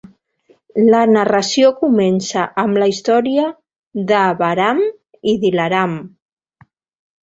La narració comença amb la història de Bahram i Dilaram.